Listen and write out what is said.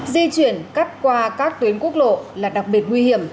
di chuyển cắt qua các tuyến quốc lộ là đặc biệt nguy hiểm